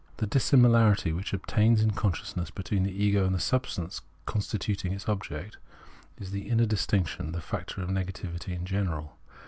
The dissimilarity which obtains in consciousness between the ego and the substance constituting its object, is their inner distinction, the factor of nega tivity in general.